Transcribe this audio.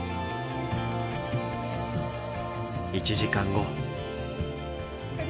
１時間後。